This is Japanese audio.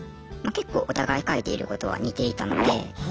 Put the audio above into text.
けっこうお互い書いていることは似ていたので。